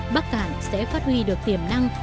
bắc cản sẽ phát huy được tiềm năng